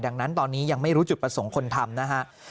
ดังนั้นตอนนี้ยังไม่รู้จุดประสงค์คนทำนะฮะ